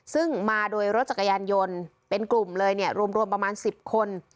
ซึ่งมาโดยรถจักรยานยนต์เป็นกลุ่มเลยเนี่ยรวมประมาณ๑๐คน